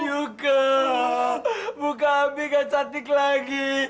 yuka muka abi nggak cantik lagi